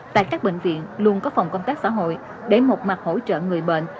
tại các bệnh viện luôn có phòng công tác xã hội để một mặt hỗ trợ người bệnh